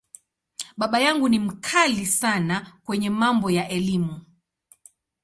Baba yangu ni ‘mkali’ sana kwenye mambo ya Elimu.